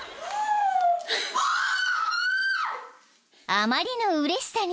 ［あまりのうれしさに］